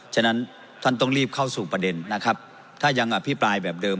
ฉะนั้นท่านต้องรีบเข้าสู่ประเด็นนะครับถ้ายังอภิปรายแบบเดิม